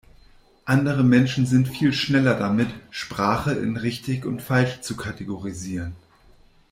Andere Menschen sind viel schneller damit, Sprache in richtig und falsch zu kategorisieren.